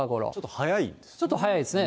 ちょっと早いですね。